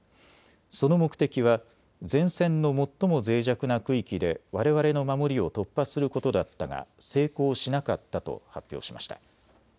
その目的は前線の最もぜい弱な区域でわれわれの守りを突破することだったが成功しなかったと発表しました。